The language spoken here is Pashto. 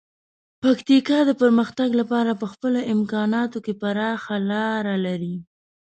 پکتیکا د پرمختګ لپاره په خپلو امکاناتو کې پراخه لاره لري.